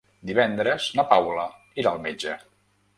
Divendres na Paula irà al metge.